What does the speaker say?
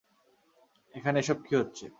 এখানে এসব কী হচ্ছে?